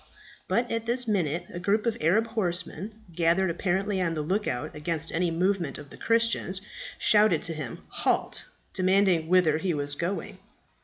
But at this minute a group of Arab horsemen, gathered, apparently on the look out against any movement of the Christians, shouted to him "Halt!" demanding whither he was going.